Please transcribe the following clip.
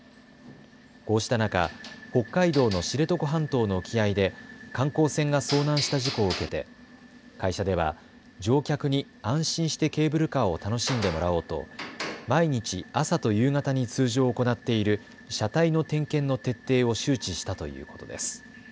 こうした中、北海道の知床半島の沖合で観光船が遭難した事故を受けて会社では乗客に安心してケーブルカーを楽しんでもらおうと毎日、朝と夕方に通常行っている車体の点検の徹底を周知したということです。